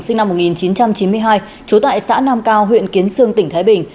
sinh năm một nghìn chín trăm chín mươi hai trú tại xã nam cao huyện kiến sương tỉnh thái bình